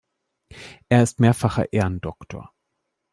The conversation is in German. Er ist mehrfacher Ehrendoktor.